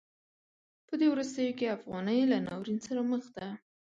په دې وروستیو کې افغانۍ له ناورین سره مخ ده.